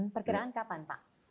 perkiraan kapan pak